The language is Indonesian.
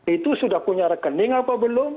itu sudah punya rekening apa belum